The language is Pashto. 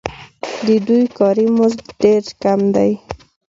د دوی کاري مزد ډېر کم دی